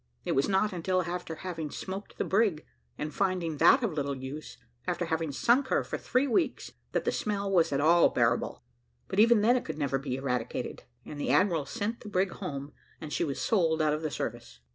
It was not until after having smoked the brig, and finding that of little use, after having sunk her for three weeks, that the smell was at all bearable; but even then it could never be eradicated, and the admiral sent the brig home, and she was sold out of the service.